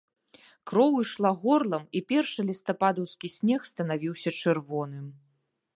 Кроў ішла горлам і першы лістападаўскі снег станавіўся чырвоным.